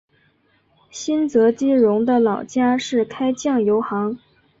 新泽基荣的老家是开酱油行。